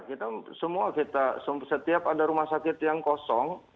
kita semua kita setiap ada rumah sakit yang kosong